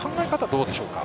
どうでしょうか。